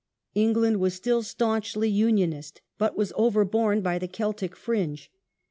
England was still staunchly Unionist, but was overborne by the " Celtic fringe